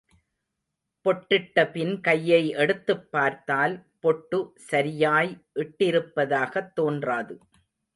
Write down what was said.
பொட்டிட்ட பின் கையை எடுத்துப் பார்த்தால், பொட்டு சரியாய் இட்டிருப்பதாகத் தோன்றாது.